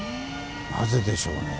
なぜでしょうね？